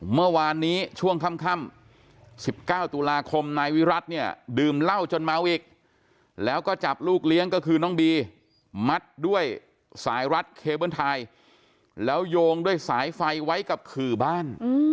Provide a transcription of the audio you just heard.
เมื่อวานนี้ช่วงค่ำ๑๙ตุลาคมนายวิรัติเนี่ยดื่มเหล้าจนเมาอีกแล้วก็จับลูกเลี้ยงก็คือน้องบีมัดด้วยสายรัดเคเบิ้ลไทยแล้วโยงด้วยสายไฟไว้กับขื่อบ้าน